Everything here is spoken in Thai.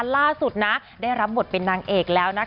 ล่าสุดได้รับบทเป็นนางเอกแล้ว